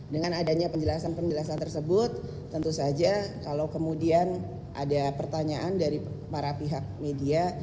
dengan adanya penjelasan penjelasan tersebut tentu saja kalau kemudian ada pertanyaan dari para pihak media